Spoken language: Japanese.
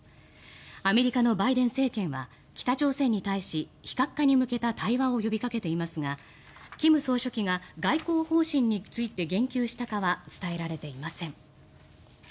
アメリカのバイデン政権は北朝鮮に対し非核化に向けた対話を呼びかけていますが金総書記が外交方針について言及したかは伝えられていません。